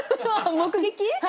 目撃？